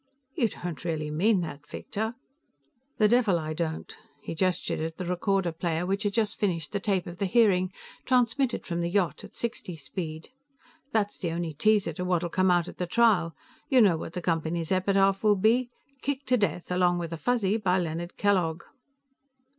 "You don't really mean that, Victor?" "The devil I don't!" He gestured at the recorder player, which had just finished the tape of the hearing, transmitted from the yacht at sixty speed. "That's only a teaser to what'll come out at the trial. You know what the Company's epitaph will be? _Kicked to death, along with a Fuzzy, by Leonard Kellogg.